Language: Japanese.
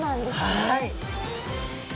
はい！